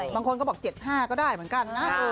บางคนก็บอก๗๕ก็ได้เหมือนกันนะ